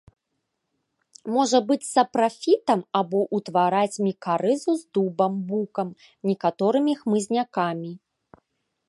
Можа быць сапрафітам або ўтвараць мікарызу з дубам, букам, некаторымі хмызнякамі.